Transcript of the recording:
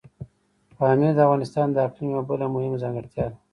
پامیر د افغانستان د اقلیم یوه بله مهمه ځانګړتیا ده.